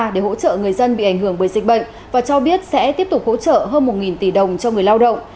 để hỗ trợ người dân bị ảnh hưởng bởi dịch bệnh và cho biết sẽ tiếp tục hỗ trợ hơn một tỷ đồng cho người lao động